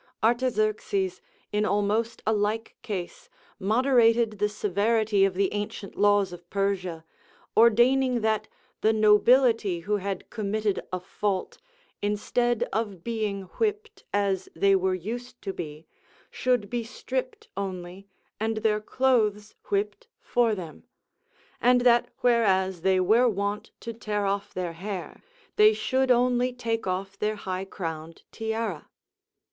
Artaxerxes, in almost a like case, moderated the severity of the ancient laws of Persia, ordaining that the nobility who had committed a fault, instead of being whipped, as they were used to be, should be stripped only and their clothes whipped for them; and that whereas they were wont to tear off their hair, they should only take off their high crowned tiara.